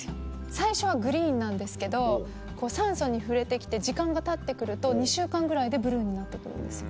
最初はグリーンなんですけど酸素に触れて来て時間がたって来ると２週間ぐらいでブルーになって来るんですよ。